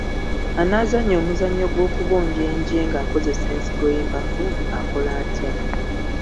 Anaazannya omuzannyo gw'okubonja enje ng'akozesa ensigo y'empafu akola atya?